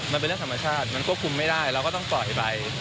มันเป็นเรื่องธรรมชาติมันควบคุมไม่ได้เราก็ต้องปล่อยไป